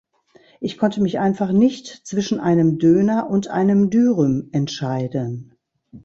ich konnte mich einfach nicht zwischen einem Döner und einem Dürüm entscheiden.